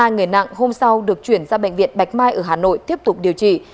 ba người nặng hôm sau được chuyển ra bệnh viện bạch mai ở hà nội tiếp tục điều trị